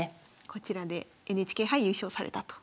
こちらでＮＨＫ杯優勝されたと。